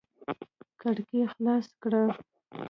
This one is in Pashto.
کړکۍ خلاص کړئ